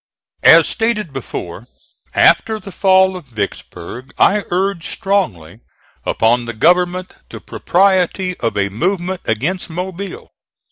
As stated before, after the fall of Vicksburg I urged strongly upon the government the propriety of a movement against Mobile.